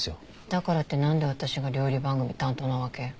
だからって何で私が料理番組担当なわけ？